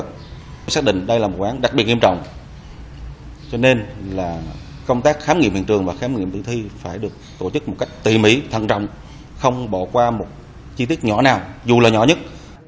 chúng tôi xác định đây là một vụ án đặc biệt nghiêm trọng cho nên là công tác khám nghiệm hiện trường và khám nghiệm tự thi phải được tổ chức một cách tỉ mỉ thân trọng không bỏ qua một chi tiết nhỏ nào dù là nhỏ nhất